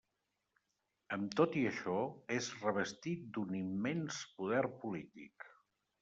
Amb tot i això, és revestit d'un immens poder polític.